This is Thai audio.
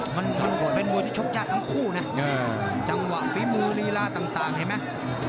มันเป็นมวยที่ชกยัดทั้งคู่นะจังหวะฟิมูนีระต่างดีไหม